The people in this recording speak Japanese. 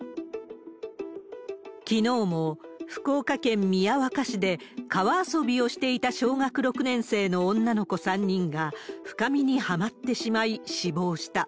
きのうも、福岡県宮若市で、川遊びをしていた小学６年生の女の子３人が深みにはまってしまい、死亡した。